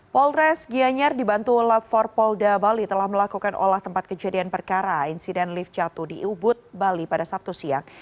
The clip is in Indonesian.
polres gianyar dibantu lap empat polda bali telah melakukan olah tempat kejadian perkara insiden lift jatuh di ubud bali pada sabtu siang